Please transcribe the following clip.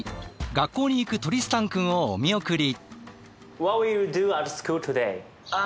学校に行くトリスタンくんをお見送り。